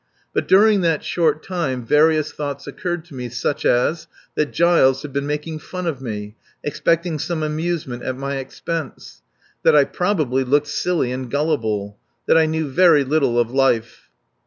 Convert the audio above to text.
But during that short time various thoughts occurred to me, such as: that Giles had been making fun of me, expecting some amusement at my expense; that I probably looked silly and gullible; that I knew very little of life.